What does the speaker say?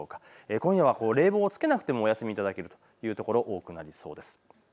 今夜は冷房をつけなくてもお休みいただけるというところが多くなってきそうです。